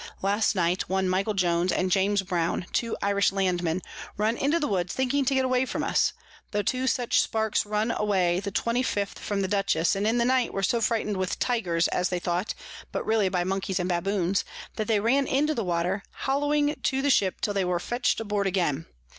Last night one Michael Jones and James Brown, two Irish Landmen, run into the Woods, thinking to get away from us; tho two such Sparks run away the 25_th_ from the Dutchess, and in the night were so frighted with Tygers, as they thought, but really by Monkeys and Baboons, that they ran into the water, hollowing to the Ship till they were fetch'd aboard again.